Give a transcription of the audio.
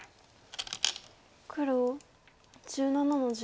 黒１７の十三。